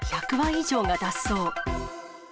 １００羽以上が脱走。